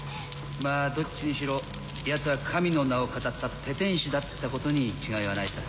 まぁどっちにしろ奴は神の名をかたったペテン師だったことに違いはないさ。